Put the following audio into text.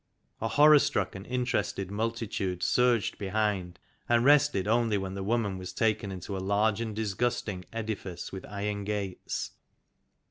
A horror struck and interested multitude surged behind, and rested only when the woman was taken into a large and disgusting edifice with iron gates.